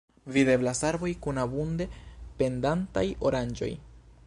Videblas arboj kun abunde pendantaj oranĝoj.